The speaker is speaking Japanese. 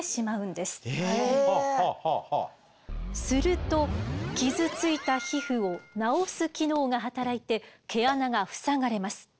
すると傷ついた皮膚を治す機能が働いて毛穴が塞がれます。